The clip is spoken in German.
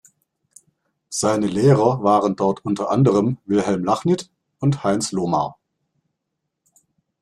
Seine Lehrer waren dort unter anderem Wilhelm Lachnit und Heinz Lohmar.